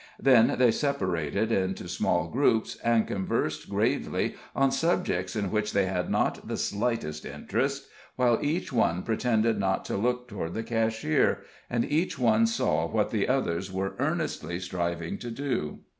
Then they separated into small groups, and conversed gravely on subjects in which they had not the slightest interest, while each one pretended not to look toward the cashier, and each one saw what the others were earnestly striving to do.